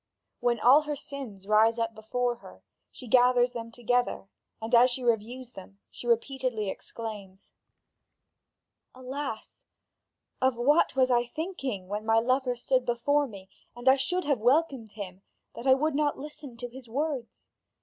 When all her sins rise up before her, she gathers them together, and as she reviews them, she repeatedly exclaims: "Alas! of what was I thinking when my lover stood before me and I should have welcomed him, that I would not listen to his words?